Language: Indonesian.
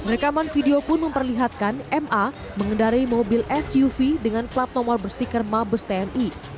rekaman video pun memperlihatkan ma mengendarai mobil suv dengan plat nomor berstiker mabes tni